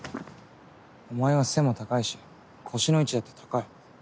お前は背も高いし腰の位置だって高い。